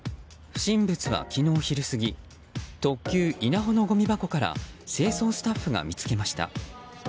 不審物は昨日昼過ぎ特急「いなほ」のごみ箱から清掃スタッフが見つけました。